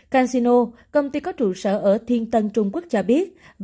casino công ty có trụ sở ở thiên tân trung quốc cho biết